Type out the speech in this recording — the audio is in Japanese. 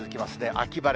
秋晴れ。